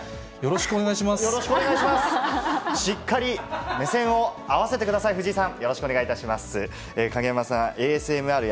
しっかり目線を合わせてください、藤井さん。